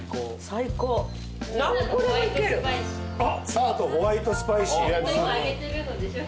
ツナとホワイトスパイシー。